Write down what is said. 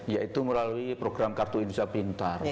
yaitu melalui program kartu indonesia pintar